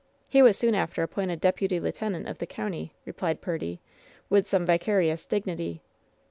He was soon after appointed deputy lieutenant of the county," replied Purdy, with some vicarious dignity.